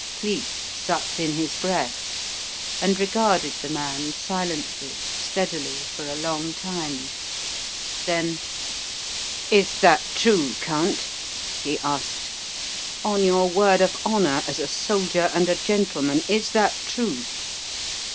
Cleek sucked in his breath and regarded the man silently, steadily, for a long time. Then: "Is that true, Count?" he asked. "On your word of honour as a soldier and a gentleman, is that true?"